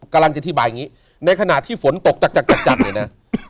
กำลังจะอธิบายอย่างนี้ในขณะที่ฝนตกจัดจัดเนี่ยนะ